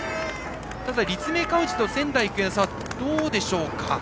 ただ立命館宇治と仙台育英の差はどうでしょうか。